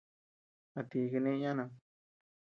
¿A ti kane yanam.